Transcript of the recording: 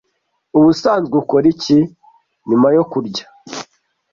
Ubusanzwe ukora iki nyuma yo kurya?